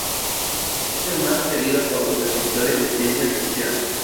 Es el más querido por los escritores de ciencia ficción.